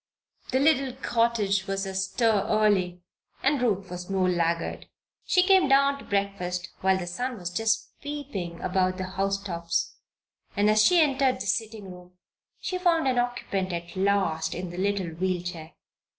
The little cottage was astir early and Ruth was no laggard. She came down to breakfast while the sun was just peeping above the house tops and as she entered the sitting room she found an occupant at last in the little wheel chair.